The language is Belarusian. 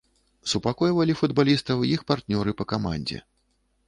Супакойвалі футбалістаў іх партнёры па камандзе.